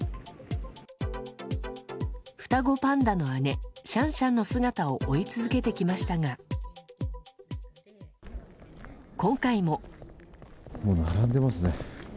双子パンダの姉、シャンシャンの姿を追い続けてきましたが今回も。